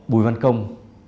bùi văn công